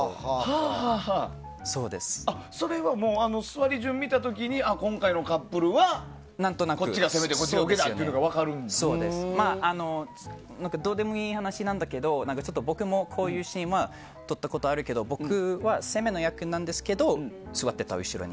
それは座り順を見た時に今回のカップルはこっちが攻めでこっちが受けだとどうでもいい話だけど僕もこういうシーンは撮ったことあるけど僕は攻めの役なんですけど座ってた、後ろに。